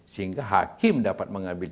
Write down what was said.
sehingga hakim dapat mengambil